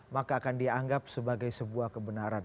maka akan dianggap sebagai sebuah kebenaran